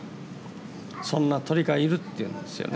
そんな鳥がいるっていうんですよね。